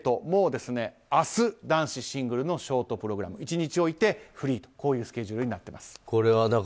もう明日、男子シングルのショートプログラム１日おいてフリーというスケジュールになってます。